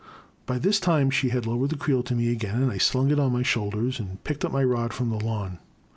By this time she had lowered the creel to me again and I slung it on my shoulders and picked up my rod from the lawn.